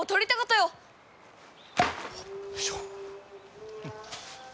よいしょ。